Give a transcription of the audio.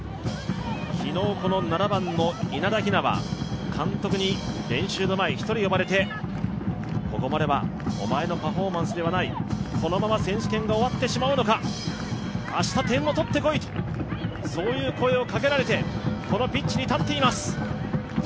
昨日、７番の稲田雛は監督に練習の前一人、呼ばれてこのままではお前のパフォーマンスではないこのまま選手権が終わってしまうのか、明日、点を取ってこいという声をかけられて、このピッチに立っています。